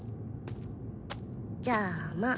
じゃあまあ。